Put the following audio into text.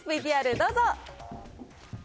ＶＴＲどうぞ。